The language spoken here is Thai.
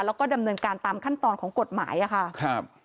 แล้วก็ดำเนินการตามขั้นตอนของกฎหมายอะค่ะครับ